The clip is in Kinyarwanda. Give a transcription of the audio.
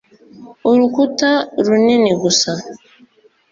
urukuta runini gusa.